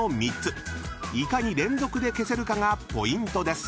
［いかに連続で消せるかがポイントです］